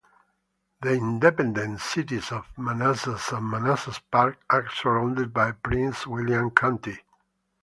The independent cities of Manassas and Manassas Park are surrounded by Prince William County.